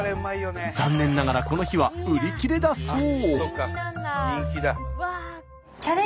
残念ながらこの日は売り切れだそう。